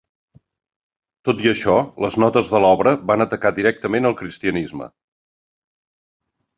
Tot i això, les notes de l'obra van atacar directament el cristianisme.